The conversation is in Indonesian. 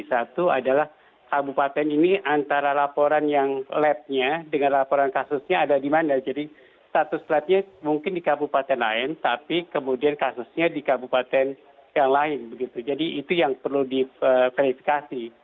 satu adalah kabupaten ini antara laporan yang labnya dengan laporan kasusnya ada di mana jadi status labnya mungkin di kabupaten lain tapi kemudian kasusnya di kabupaten yang lain begitu jadi itu yang perlu diverifikasi